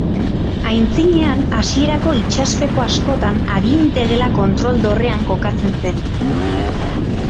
Aitzinean, hasierako itsaspeko askotan aginte-gela kontrol-dorrean kokatzen zen.